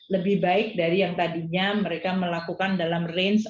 lebih baik dari yang tadinya mereka melakukan dalam range